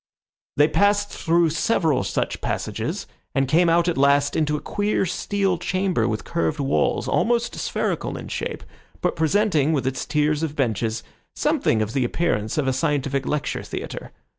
They passed through several such passages, and came out at last into a queer steel chamber with curved walls, almost spherical in shape, but presenting, with its tiers of benches, something of the appearance of a scientific lecture theatre.